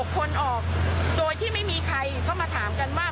คนออกโดยที่ไม่มีใครก็มาถามกันว่า